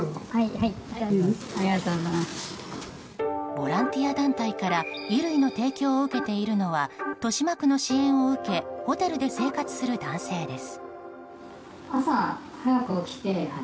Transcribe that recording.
ボランティア団体から衣類の提供を受けているのは豊島区の支援を受けホテルで生活する男性です。